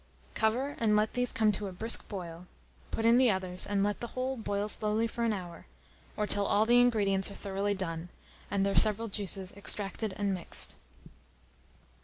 Cover, and let these come to a brisk boil; put in the others, and let the whole boil slowly for an hour, or till all the ingredients are thoroughly done, and their several juices extracted and mixed.